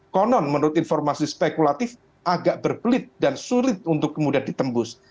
konon menurut informasi spekulatif agak berbelit dan sulit untuk kemudian ditembus